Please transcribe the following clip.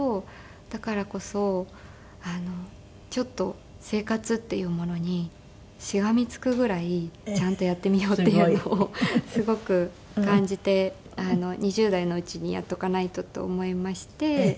だからこそちょっと生活っていうものにしがみつくぐらいちゃんとやってみようっていうのをすごく感じて２０代のうちにやっておかないとと思いまして。